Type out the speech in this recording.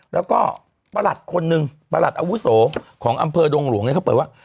แล้วก็ประหลัดคนหนึ่งประหลัดอาวุโสของอำเภอดงหลวงเขาเปิดว่า